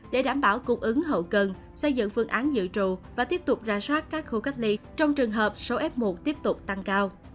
để đảm bảo cung ứng hậu cần xây dựng phương án dự trù và tiếp tục ra soát các khu cách ly trong trường hợp số f một tiếp tục tăng cao